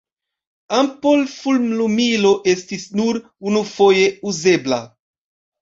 Ampol-fulmlumilo estis nur unufoje uzebla.